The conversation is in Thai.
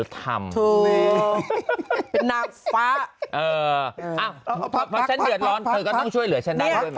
ถูกฉันช่วยเหลือได้